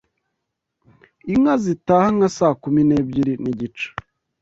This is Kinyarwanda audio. Inka zitaha nka saa kumu n’ebyiri n’igice